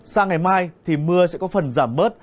sang ngày mai thì mưa sẽ có phần giảm bớt